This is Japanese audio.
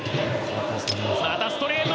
またストレート。